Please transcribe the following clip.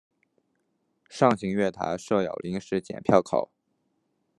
上行月台设有临时剪票口。